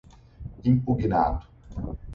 impugnado